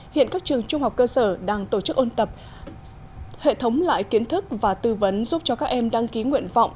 hiện các trường trung học cơ sở đang tổ chức ôn tập hệ thống lại kiến thức và tư vấn giúp cho các em đăng ký nguyện vọng